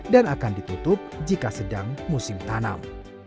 dan akan ditutup jika sedang musim tanam